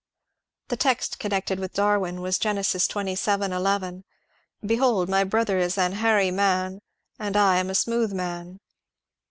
The text connected with Darwin was Gen. xxvii, 11. " Behold my brother is an hairy man, and I am a smooth man."